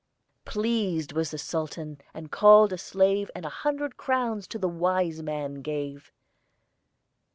Pleased was the Sultan, and called a slave, And a hundred crowns to the wiseman gave.